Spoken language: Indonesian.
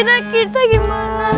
terus kita gimana